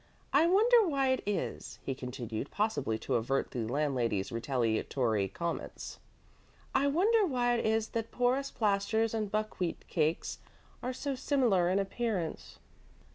I wonder why it is," he continued, possibly to avert the landlady's retaliatory comments "I wonder why it is that porous plasters and buckwheat cakes are so similar in appearance?"